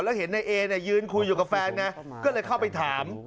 แล้วเห็นนายรับอาการคุยอยู่กับแฟนก็เลยเข้าไปถาม